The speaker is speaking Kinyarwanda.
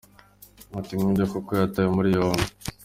Ati” Nibyo koko yatawe muri yombi.